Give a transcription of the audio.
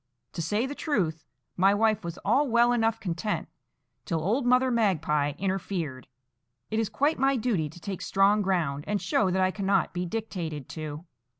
To say the truth, my wife was all well enough content till old Mother Magpie interfered. It is quite my duty to take strong ground, and show that I cannot be dictated to."